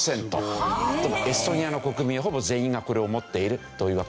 エストニアの国民ほぼ全員がこれを持っているというわけで。